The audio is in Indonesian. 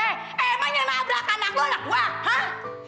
hei emang yang nabrak anak lu anak gua hah